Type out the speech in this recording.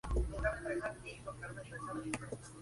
Desde entonces, no se volvió a organizar la Vuelta a Argentina.